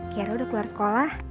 kiara udah keluar sekolah